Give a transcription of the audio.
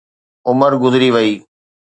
عمر گذري وئي.